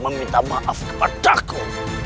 meminta maaf kepada aku